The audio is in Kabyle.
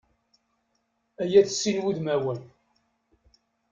Ay at sin wudmawen!